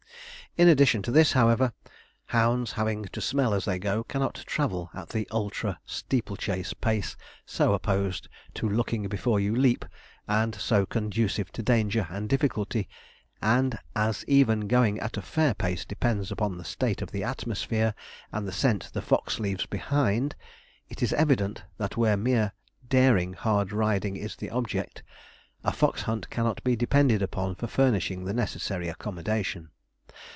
In addition to this, however, hounds having to smell as they go, cannot travel at the ultra steeple chase pace, so opposed to 'looking before you leap,' and so conducive to danger and difficulty, and as going even at a fair pace depends upon the state of the atmosphere, and the scent the fox leaves behind, it is evident that where mere daring hard riding is the object, a fox hunt cannot be depended upon for furnishing the necessary accommodation.